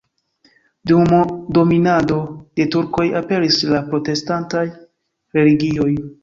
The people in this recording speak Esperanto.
Dum dominado de turkoj aperis la protestantaj religioj.